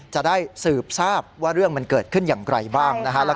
จะได้สืบทราบว่าเรื่องมันเกิดขึ้นอย่างไรบ้างนะฮะ